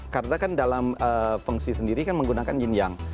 karena kan dalam fungsi sendiri kan menggunakan yin yang